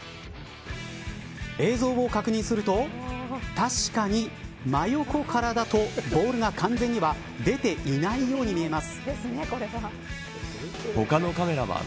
映像を確認すると確かに、真横からだとボールが完全には出ていないように見えます。